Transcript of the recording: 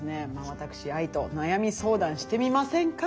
私ＡＩと悩み相談してみませんか？